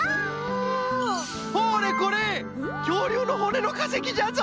ほれこれきょうりゅうのほねのかせきじゃぞ。